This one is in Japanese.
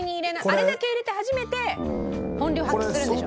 あれだけ入れて初めて本領を発揮するでしょ。